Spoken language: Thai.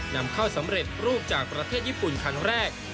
นำเข้าสำเร็จรูปจากประเทศญี่ปุ่นครั้งแรก